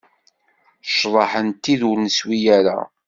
Cḍeḥ n tid ur neswi ara.